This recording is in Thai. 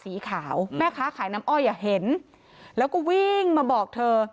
สีขาวแม่ค้าขายน้ำอ้อยอ่ะเห็นแล้วก็วิ่งมาบอกเธอ